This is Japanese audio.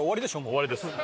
終わりです。